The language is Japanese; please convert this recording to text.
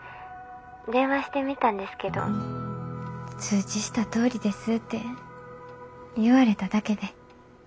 電話してみたんですけど通知したとおりですって言われただけで。